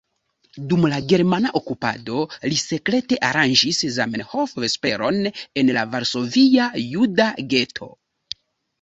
Dum la germana okupado li sekrete aranĝis Zamenhof-vesperon en la Varsovia juda geto.